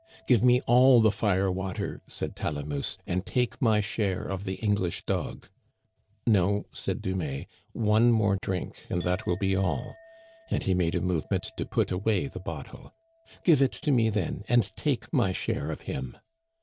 " Give me all the fire water," said Talamousse, '* and take my share of the English dog." " No," said Dumais, " one more drink and that will be all ;" and he made a movement to put away the bottle. " Give it to me, then, and take my share of him."